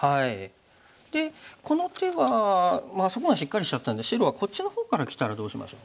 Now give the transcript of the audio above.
でこの手はあそこがしっかりしちゃったんで白はこっちの方からきたらどうしましょう。